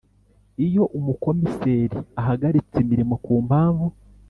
Iyo Umukomiseri ahagaritse imirimo ku mpamvu